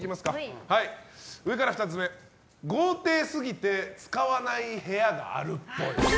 上から２つ目、豪邸すぎて使わない部屋があるっぽい。